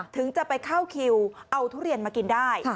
ถึงจะไปเข้าคิวเอาทุเรียนมากินได้